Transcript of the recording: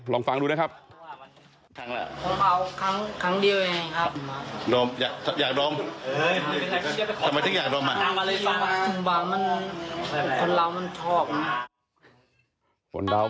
ลองฟังดูนะครับ